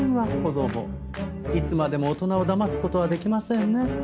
いつまでも大人をだます事はできませんね。